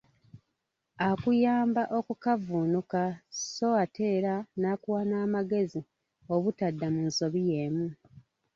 Akuyamba okukavvuunuka so ate era nakuwa n'amagezi obutadda mu nsobi yeemu.